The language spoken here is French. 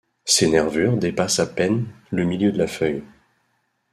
Ses nervures dépassent à peine le milieu de la feuille.